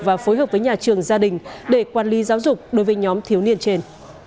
và phối hợp với nhà trường gia đình để quản lý giáo dục đối với nhóm thiếu niên trên